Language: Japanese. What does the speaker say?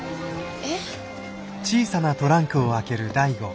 えっ？